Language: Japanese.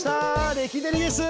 レキデリです。